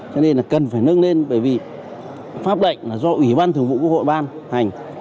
cho nên là cần phải nâng lên bởi vì pháp lệnh là do ủy ban thường vụ quốc hội ban hành